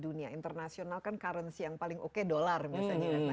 dunia internasional kan currency yang paling oke dolar misalnya